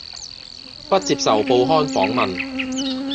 不接受報刊訪問